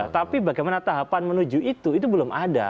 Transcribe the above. tapi bagaimana tahapan menuju itu itu belum ada